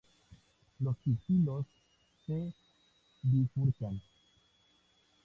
Los pistilos se bifurcan.